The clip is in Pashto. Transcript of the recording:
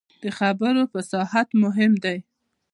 د خبرو فصاحت مهم دی